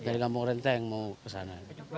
dari kampung renteng mau ke sana